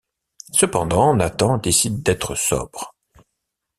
Cependant, Nathan décide d'être sobre.